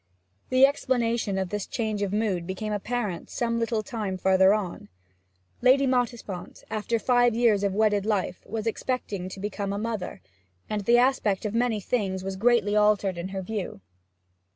The explanation of this change of mood became apparent some little time farther on. Lady Mottisfont, after five years of wedded life, was expecting to become a mother, and the aspect of many things was greatly altered in her view.